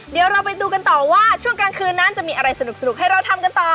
เดี๋ยวเราไปดูกันต่อว่าช่วงกลางคืนนั้นจะมีอะไรสนุกให้เราทำกันต่อ